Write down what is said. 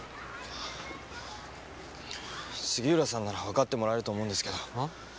杉浦さんならわかってもらえると思うんですけど。